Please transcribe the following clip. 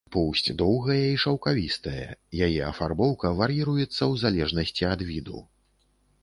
Поўсць доўгая і шаўкавістая, яе афарбоўка вар'іруецца ў залежнасці ад віду.